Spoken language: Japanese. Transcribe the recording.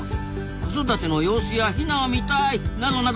「子育ての様子やヒナを見たい」などなど。